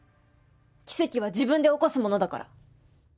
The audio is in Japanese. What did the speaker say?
奇跡は自分で起こすものだから。